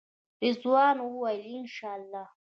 رضوان وویل انشاالله.